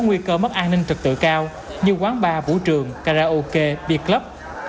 nguy cơ mất an ninh trật tự cao như quán bar vũ trường karaoke bia club